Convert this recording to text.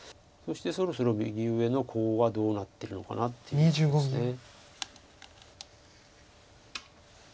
そしてそろそろ右上のコウはどうなってるのかなっていうとこです。